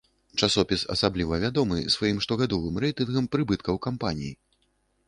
Часопіс асабліва вядомы сваім штогадовым рэйтынгам прыбыткаў кампаній.